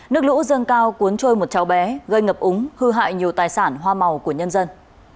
nước lũ dâng cao cuốn trôi một cháu bé gây ngập úng hư hại nhiều tài sản hoa màu của nhân dân